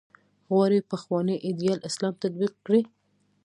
غواړي پخوانی ایدیال اسلام تطبیق کړي.